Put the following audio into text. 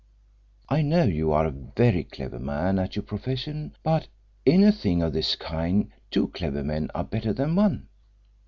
I know you are a very clever man at your profession, but in a thing of this kind two clever men are better than one.